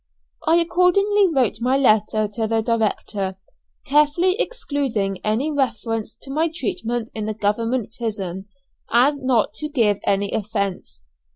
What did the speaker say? I accordingly wrote my letter to the director, carefully excluding any reference to my treatment in the government prison, so as not to give any offence.